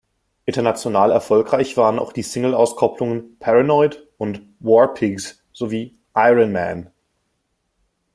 International erfolgreich waren auch die Singleauskopplungen "Paranoid" und "War Pigs" sowie "Iron Man".